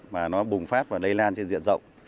mà nó bùng phát và lây lan trên diện rộng